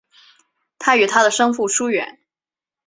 他与他的生父疏远。